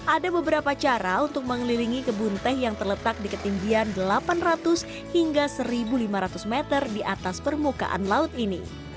ada beberapa cara untuk mengelilingi kebun teh yang terletak di ketinggian delapan ratus hingga seribu lima ratus meter di atas permukaan laut ini